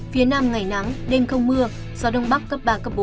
phía nam ngày nắng đêm không mưa gió đông bắc cấp hai cấp ba